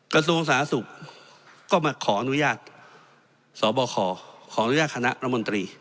กระทรวงศาสุกก็มาขออนุญาตสบขขนรม